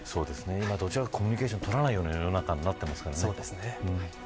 今はどちらかというとコミュニケーションを取らない世の中になってきていますからね。